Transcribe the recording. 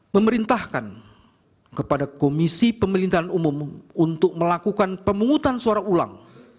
memerintahkan kepada komisi pemilihan umum untuk melakukan pemungutan suara ulang